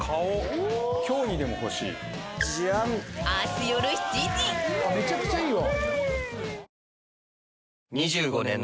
あっめちゃくちゃいいわ！